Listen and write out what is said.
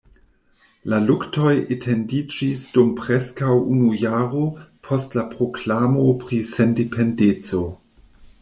La luktoj etendiĝis dum preskaŭ unu jaro post la proklamo pri sendependeco.